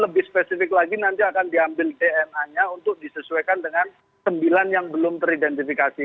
lebih spesifik lagi nanti akan diambil dna nya untuk disesuaikan dengan sembilan yang belum teridentifikasi